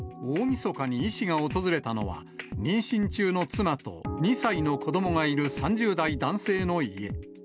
大みそかに医師が訪れたのは、妊娠中の妻と２歳の子どもがいる３０代男性の家。